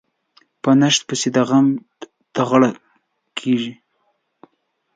په نشت پسې د غم په ټغره کېنو.